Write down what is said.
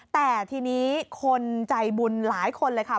แต่ทีนี้คนใจบุญหลายคนเลยค่ะ